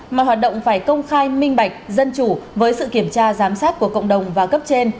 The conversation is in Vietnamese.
mà hoạt động phải công khai minh bạch dân chủ với sự kiểm tra giám sát của cộng đồng và cấp trên